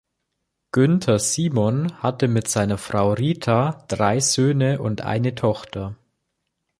Günther Simon hatte mit seiner Frau Rita drei Söhne und eine Tochter.